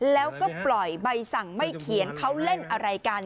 แล้วก็ปล่อยใบสั่งไม่เขียนเขาเล่นอะไรกัน